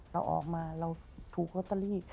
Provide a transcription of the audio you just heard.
เราออกมาเราถูกลอตเตอรี่